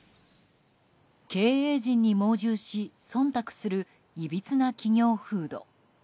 経営陣に盲従し忖度するいびつな企業風土。